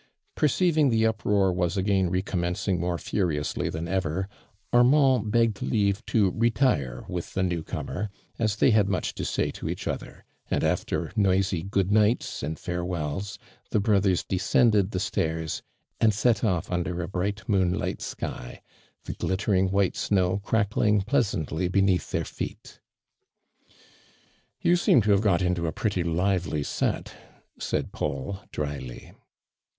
Perceiving the uproar was again recommencing more furiously than ever, Armand begged leave to retire witli the new comer, as they had much to say to each other, and after noisy " good nights," and farewells, the brothers descended the stairs, and set off under a bright moonlight sky, the ghttering white snow crackling pleasantly beneath their feet. "You seem to have got i^ito a pretty lively set," said Paul, drily.